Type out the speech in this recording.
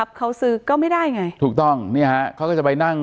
อ๋อเจ้าสีสุข่าวของสิ้นพอได้ด้วย